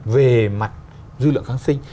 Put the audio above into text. về mặt dư lượng kháng sinh